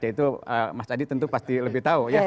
ya itu mas adi tentu pasti lebih tahu ya